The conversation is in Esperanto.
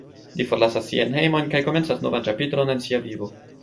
Li forlasas sian hejmon kaj komencas novan ĉapitron en sia vivo.